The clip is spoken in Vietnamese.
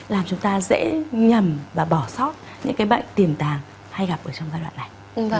làm chúng ta dễ nhầm và bỏ sót những cái bệnh tiềm tàng hay gặp ở trong giai đoạn này